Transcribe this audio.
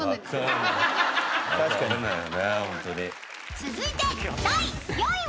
［続いて第４位は］